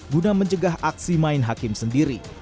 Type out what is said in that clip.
guna mencegah aksi main hakim sendiri